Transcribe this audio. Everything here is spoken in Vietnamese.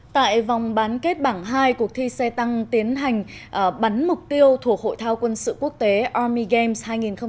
tại vòng bán kết bảng hai cuộc thi xe tăng tiến hành bắn mục tiêu thuộc hội thao quân sự quốc tế army games hai nghìn hai mươi